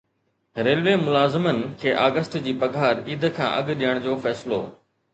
railway ملازمن کي August جي پگھار عيد کان اڳ ڏيڻ جو فيصلو